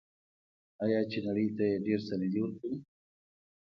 آیا چې نړۍ ته یې ډیر څه نه دي ورکړي؟